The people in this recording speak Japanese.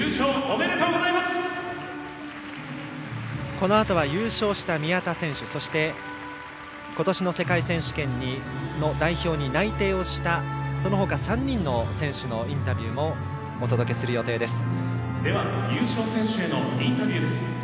このあとは優勝した宮田選手そして今年の世界選手権の代表に内定したその他３人の選手のインタビューもお届けする予定です。